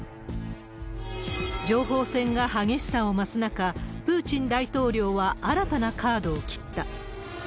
情報戦が激しさを増す中、プーチン大統領は新たなカードを切った。